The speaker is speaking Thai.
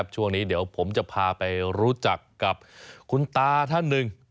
ช่วงนี้เดี๋ยวผมจะพาไปรู้จักกับคุณตาท่านหนึ่ง